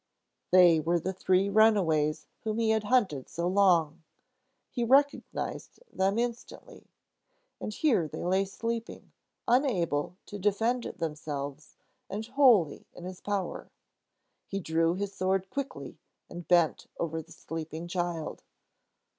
They were the three runaways whom he had hunted so long. He recognized them instantly. And here they lay sleeping, unable to defend themselves and wholly in his power. He drew his sword quickly and bent over the sleeping child.